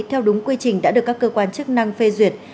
theo đúng quy trình đã được các cơ quan chức năng phê duyệt